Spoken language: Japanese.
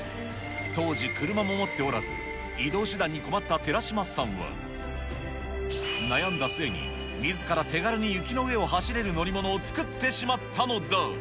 当時、車も持っておらず、移動手段に困った寺嶋さんは、悩んだ末に、みずから手軽に雪の上を走れる乗り物を作ってしまったのだ。